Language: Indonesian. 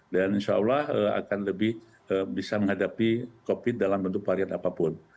dan insya allah akan lebih bisa menghadapi covid dalam bentuk varian apapun